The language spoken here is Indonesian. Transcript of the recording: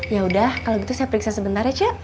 yaudah kalau gitu saya periksa sebentar ya cak